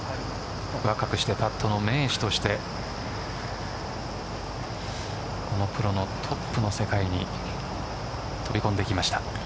若くしてパットの名手としてプロのトップの世界に飛び込んできました。